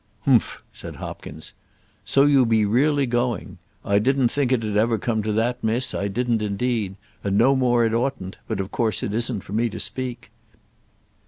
"Humph!" said Hopkins. "So you be really going! I didn't think it'd ever come to that, miss; I didn't indeed, and no more it oughtn't; but of course it isn't for me to speak."